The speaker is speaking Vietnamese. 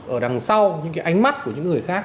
ở đằng sau những cái ánh mắt của những người khác